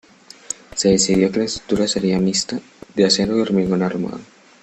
Se decidió que la estructura sería mixta, de acero y hormigón armado.